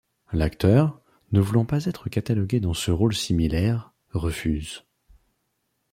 L'acteur, ne voulant pas être catalogué dans ce rôle similaire, refuse.